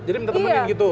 jadi minta temanin gitu